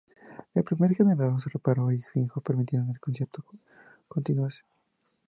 El primer generador se reparó y fijó permitiendo que el concierto continuase.